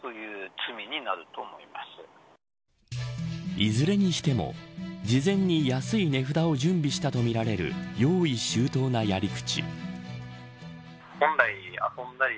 いずれにしても事前に安い値札を準備したとみられる用意周到なやり口。